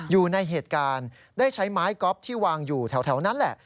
อยู่ในเหตุการณ์ได้ใช้ไม้ก๊อฟที่วางอยู่แถวนั้นแหละ